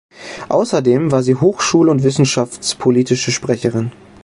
Außerdem war sie hochschul- und wissenschaftspolitische Sprecherin.